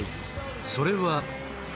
それは。